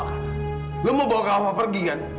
lo mau bawa kafa pergi kan